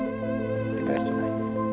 terima kasih mas